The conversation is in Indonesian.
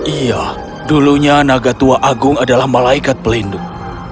iya purple white wig hal ini mem lihat